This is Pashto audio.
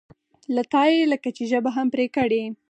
له تا یې لکه چې ژبه هم پرې کړې.